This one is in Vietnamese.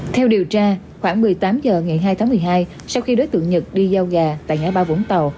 theo điều tra khoảng một mươi tám h ngày hai tháng một mươi hai sau khi đối tượng nhật đi giao gà tại ngã ba vũng tàu